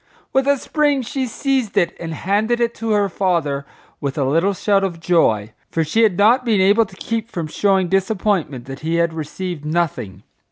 With a spring she seized it and handed it to her father with a little shout of joy, for she had not been able to keep from showing disappointment that he had received nothing.